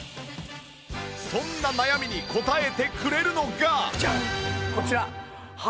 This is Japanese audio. そんな悩みに応えてくれるのが